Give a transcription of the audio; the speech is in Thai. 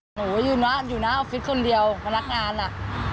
หนูอยู่หน้าออฟฟิศคนเดียวพนักงานอ่ะ